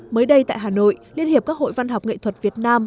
mới đây tại hà nội liên hiệp các hội văn học nghệ thuật việt nam